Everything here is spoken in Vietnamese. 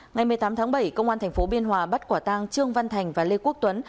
ngày một mươi tám tháng bảy công an tp biên hòa bắt quả tang trương văn thành và lê quốc tuấn